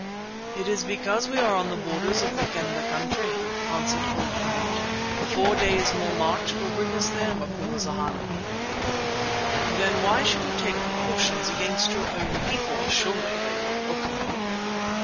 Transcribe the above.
"It is because we are on the borders of the Kendah country," answered old Harût. "Four days' more march will bring us there, Macumazana." "Then why should you take precautions against your own people? Surely they will welcome you."